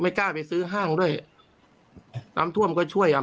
กล้าไปซื้อห้างด้วยน้ำท่วมก็ช่วยอ่ะ